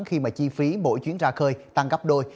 khi mà chi phí mỗi chuyến ra khơi tăng gấp đôi